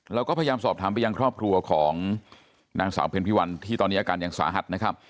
เราก็พยายามสอบถามไปยังครอบครัวของนางสาวเพ็ญพิวันที่ตอนนี้อาการยังสาหัสนะครับ